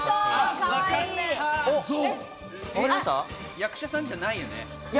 役者さんじゃないよね？